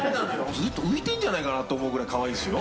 ずっと浮いてるんじゃないかなって思うぐらいかわいいですよ。